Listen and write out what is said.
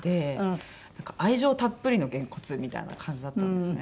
愛情たっぷりのげんこつみたいな感じだったんですね。